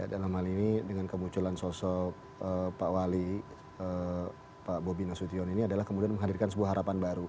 dalam hal ini dengan kemunculan sosok pak wali pak bobi nasution ini adalah kemudian menghadirkan sebuah harapan baru